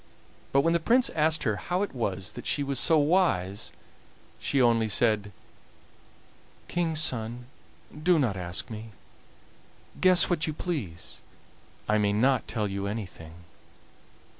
But when the Prince asked her how it was that she was so wise, she only said: "King's son, do not ask me; guess what you please. I may not tell you anything."